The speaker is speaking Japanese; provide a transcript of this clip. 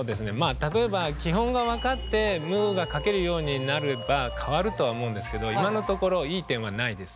例えば基本が分かって「む」が書けるようになれば変わるとは思うんですけど今のところいい点はないです。